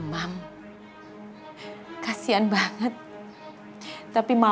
masalah yang paling terisen